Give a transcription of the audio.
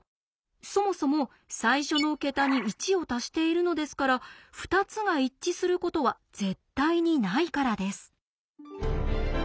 そもそも最初の桁に１を足しているのですから２つが一致することは絶対にないからです。